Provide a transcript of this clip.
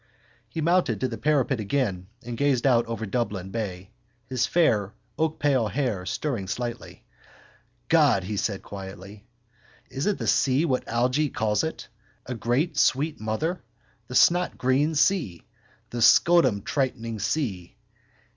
He mounted to the parapet again and gazed out over Dublin bay, his fair oakpale hair stirring slightly. —God! he said quietly. Isn't the sea what Algy calls it: a great sweet mother? The snotgreen sea. The scrotumtightening sea.